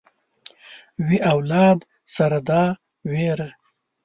وي اولاد سره دا وېره